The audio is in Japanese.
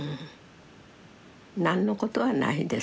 何のことはないです。